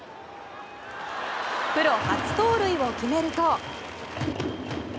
プロ初盗塁を決めると。